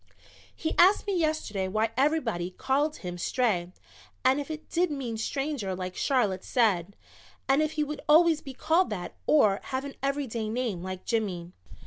"He asked me yesterday why everybody called him Stray and if it did mean Stranger like Charlotte said, and if he would always be called that or have an everyday name like Jimmy.